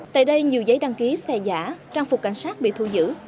tại đây nhiều giấy đăng ký xe giả trang phục cảnh sát bị thu giữ